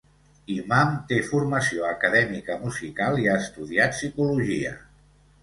Imam té formació acadèmica musical i ha estudiat psicologia.